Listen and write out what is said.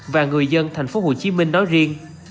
và người dân thành phố hồ chí minh nói riêng